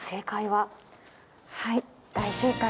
はい。